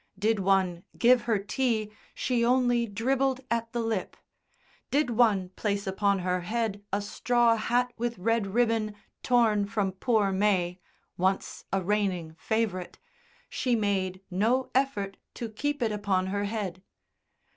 Did one give her tea she only dribbled at the lip; did one place upon her head a straw hat with red ribbon torn from poor May once a reigning favourite she made no effort to keep it upon her head.